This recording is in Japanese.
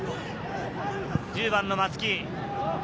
１０番の松木。